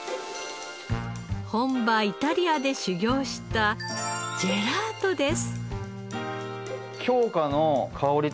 本場イタリアで修業したジェラートです。